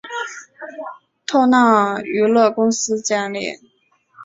透纳娱乐公司建立。